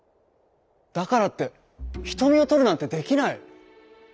「だからってひとみをとるなんてできない」。